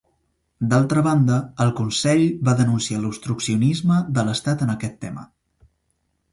D'altra banda, el Consell va denunciar l'obstruccionisme de l'Estat en aquest tema.